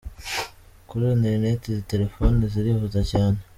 Kuri internet izi telefone zirihuta cyane .